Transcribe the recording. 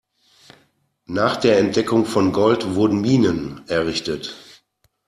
Nach der Entdeckung von Gold wurden Minen errichtet.